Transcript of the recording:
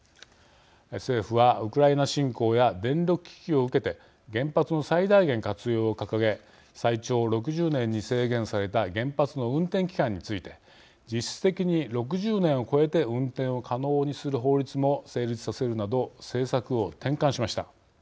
政府は、ウクライナ侵攻や電力危機を受けて原発の最大限活用を掲げ最長６０年に制限された原発の運転期間について実質的に６０年を超えて運転を可能にする法律も成立させるなど政策を転換しました。